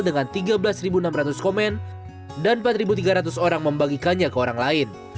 dengan tiga belas enam ratus komen dan empat tiga ratus orang membagikannya ke orang lain